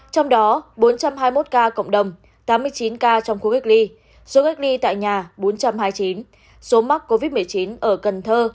trong đó bốn trăm hai mươi một ca cộng đồng tám mươi chín ca trong khu cách ly số cách ly tại nhà bốn trăm hai mươi chín số mắc covid một mươi chín ở cần thơ